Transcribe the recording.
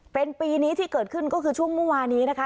เป็นปีนี้ที่เกิดขึ้นก็คือช่วงเมื่อวานนี้นะคะ